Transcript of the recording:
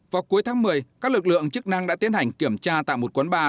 vào cuối tháng một mươi các lực lượng chức năng đã tiến hành kiểm tra tại một quán bar